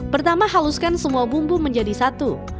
pertama haluskan semua bumbu menjadi satu